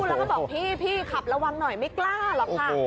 แล้วก็บอกพี่ขับระวังหน่อยไม่กล้าหรอกค่ะ